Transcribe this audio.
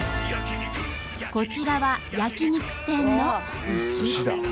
こちらは焼き肉店の牛。